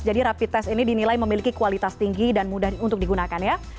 jadi rapid test ini dinilai memiliki kualitas tinggi dan mudah untuk digunakan ya